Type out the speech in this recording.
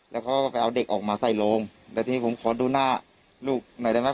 แล้วเขาก็ไปเอาเด็กออกมาใส่โรงแล้วทีนี้ผมขอดูหน้าลูกหน่อยได้ไหม